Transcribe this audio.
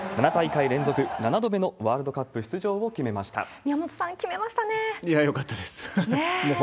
７大会連続７度目のワールドカップ出場を決めました。